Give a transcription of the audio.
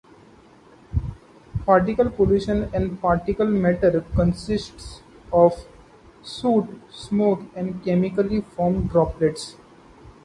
Particle pollution, or particle matter, consists of soot, smoke, and chemically formed "droplets".